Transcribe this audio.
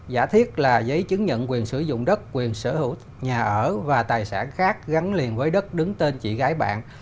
giấy chứng nhận quyền sử dụng đất quyền sở hữu nhà ở và tài sản khác gắn liền với đất đứng tên chị gái bạn